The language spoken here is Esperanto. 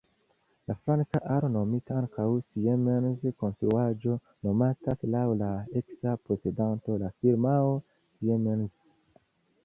La flanka alo, nomita ankaŭ Siemens-konstruaĵo, nomatas laŭ la eksa posedanto, la firmao Siemens.